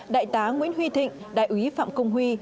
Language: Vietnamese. đại tá nguyễn huy thịnh đại úy phạm công huy